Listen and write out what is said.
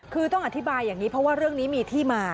คือต้องอธิบายอย่างนี้เพราะว่าเรื่องนี้มีที่มา